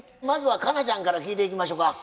まずは佳奈ちゃんから聞いていきましょか。